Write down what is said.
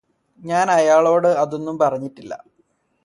ഞാന് അയാളോട് അതൊന്നും പറഞ്ഞിട്ടില്ല